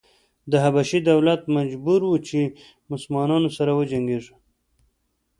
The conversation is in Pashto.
د حبشې دولت مجبور و چې مسلنانو سره وجنګېږي.